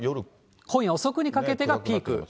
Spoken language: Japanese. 今夜遅くにかけてがピーク。